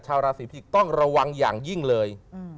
ชาวราศีพิกษ์ต้องระวังอย่างยิ่งเลย